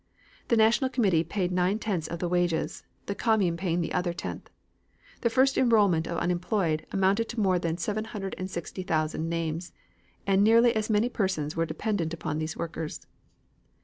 The National Committee paid nine tenths of the wages, the commune paying the other tenth. The first enrolment of unemployed amounted to more than 760,000 names, and nearly as many persons were dependent upon these workers.